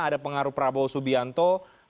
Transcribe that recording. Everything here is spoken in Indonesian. ada pengaruh prabowo subianto